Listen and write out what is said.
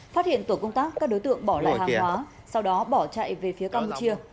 phát hiện tổ công tác các đối tượng bỏ lại hàng hóa sau đó bỏ chạy về phía campuchia